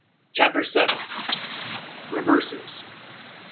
"] CHAPTER VII. REVERSES.